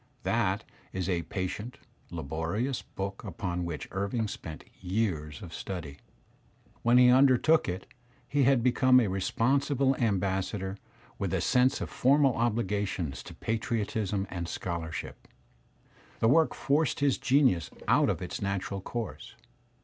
That is a patient, labori ous book upon which Irving spent years of study. When he undertook it he had become a responsible ambassador with af* sense of the formal obligations of patriotism and scholarship. ( The work forced his genius out of its natural course.